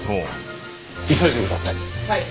急いでください。